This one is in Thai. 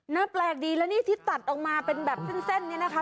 แปลกดีแล้วนี่ที่ตัดออกมาเป็นแบบเส้นเนี่ยนะคะ